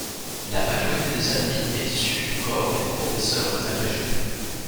La majorité des admis est issue du corps des professeurs agrégés.